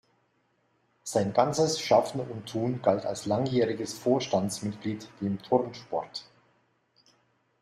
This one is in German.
Sein ganzes Schaffen und Tun galt als langjähriges Vorstandsmitglied dem Turnsport.